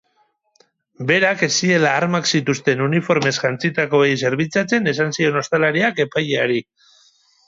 Berak ez ziela armak zituzten uniformez jantzitakoei zerbitzatzen esan zion ostalariak epaileari.